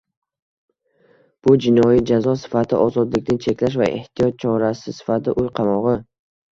Bu jinoiy jazo sifatida ozodlikni cheklash va ehtiyot chorasi sifatida uy qamog‘i.